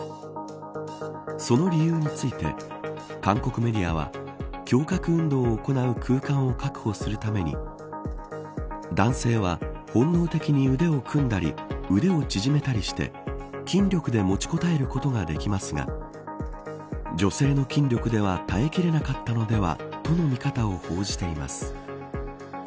その理由について韓国メディアは胸郭運動を行う空間を確保するために男性は本能的に腕を組んだり腕を縮めたりして筋力で持ちこたえることができますが女性の筋力では耐えきれなかったのではとの見方を報じています。